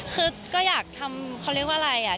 คือก็อยากทำเขาเรียกว่าอะไรอ่ะ